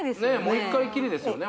１回きりですよね